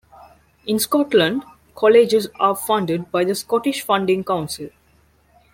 In Scotland, colleges are funded by the Scottish Funding Council.